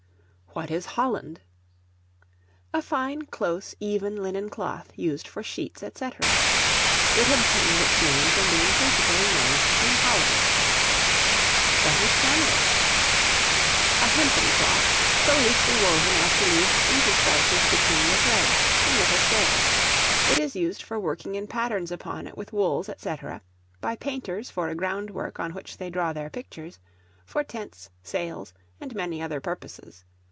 What is Holland? A fine, close, even, linen cloth, used for sheets, &c. It obtained its name from being principally made in Holland. What is Canvas? A hempen cloth, so loosely woven as to leave interstices between the threads, in little squares. It is used for working in patterns upon it with wools, &c. by painters for a ground work on which they draw their pictures; for tents, sails, and many other purposes.